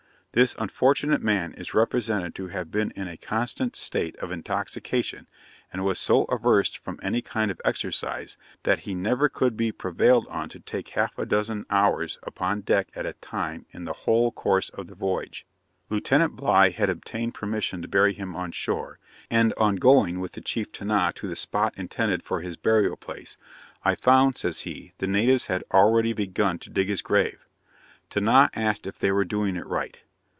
This unfortunate man is represented to have been in a constant state of intoxication, and was so averse from any kind of exercise, that he never could be prevailed on to take half a dozen hours upon deck at a time in the whole course of the voyage. Lieutenant Bligh had obtained permission to bury him on shore; and on going with the chief Tinah to the spot intended for his burial place, 'I found,' says he, 'the natives had already begun to dig his grave.' Tinah asked if they were doing it right?